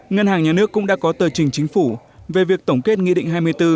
ngân hàng nhà nước cũng đã có tờ trình chính phủ về việc tổng kết nghị định hai mươi bốn